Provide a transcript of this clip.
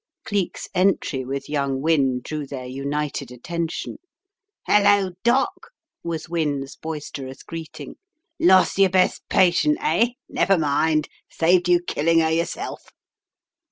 Cleek's entry with young Wynne drew their united attention. "Hello! Doc!" was Wynne's boisterous greeting. "Lost your best patient, eh? Never mind, saved you killing her yourself."